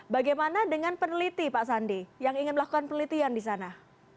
bagaimana dengan peneliti pak sandi yang ingin melakukan penelitian di sana